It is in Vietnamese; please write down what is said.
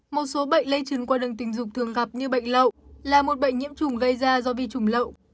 một số bệnh lây chứng qua đường tình dục thường gặp như bệnh lậu là một bệnh nhiễm trùng gây ra do vi trùng lậu